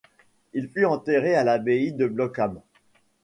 Il fut enterré à l'abbaye de Bloemkamp.